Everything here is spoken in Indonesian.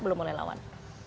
belum mulai lawan